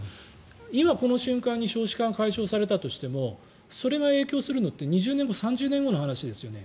今この瞬間に少子化が解消されたとしてもそれが影響するのって２０年後、３０年後の話ですよね。